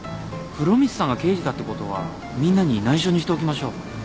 風呂光さんが刑事だってことはみんなに内緒にしておきましょう。